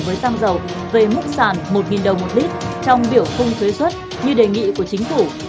với xăng dầu về mức sản một đồng một lít trong biểu khung thuế xuất như đề nghị của chính phủ